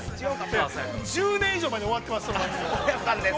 ◆１０年以上前に終わってます。